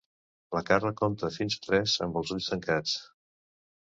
La Carla compta fins a tres amb els ulls tancats.